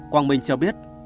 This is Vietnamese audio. quang minh cho biết